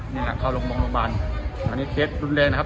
นี่แหละเข้าโรงพยาบาลตอนนี้เคสรุนแรงนะครับ